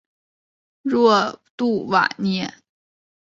若杜瓦涅。